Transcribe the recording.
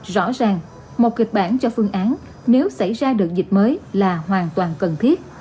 rõ ràng một kịch bản cho phương án nếu xảy ra được dịch mới là hoàn toàn cần thiết